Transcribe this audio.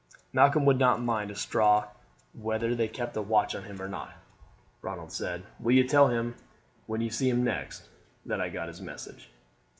"Malcolm would not mind a straw whether they kept a watch on him or not," Ronald said. "Will you tell him, when you see him next, that I got his message?"